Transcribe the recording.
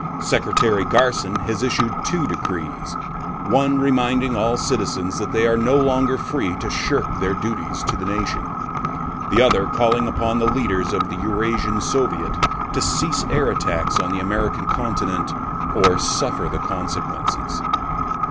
Secretary Garson has issued two decrees, one reminding all citizens that they are no longer free to shirk their duties to the nation, the other calling upon the leaders of the Eurasian Soviet to cease air attacks on the American continent or suffer the consequences.